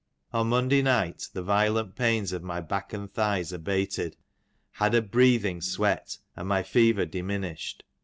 On Monday night the violent pains of my back and thighs abated, had a breathing sweat, and my fever diminished.